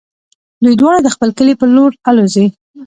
دوی دواړه د خپل کلي په لور الوزي.